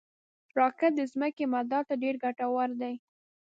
راکټ د ځمکې مدار ته ډېر ګټور دي